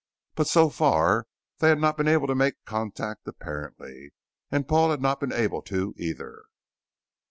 But so far, they had not been able to make contact apparently, and Paul had not been able to, either.